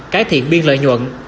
cải thiện biên lợi nhuận